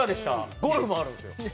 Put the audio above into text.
ゴルフもあるんですよねえ